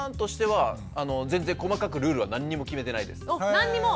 あ何にも？